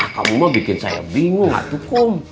ah kamu mah bikin saya bingung atukum